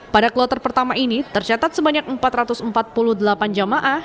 pada kloter pertama ini tercatat sebanyak empat ratus empat puluh delapan jemaah